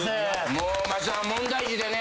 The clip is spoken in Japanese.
もう松田は問題児でね。